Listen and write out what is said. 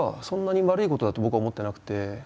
そんなに悪いことだと僕は思ってなくて。